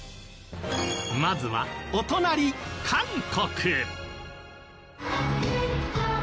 まずはお隣韓国。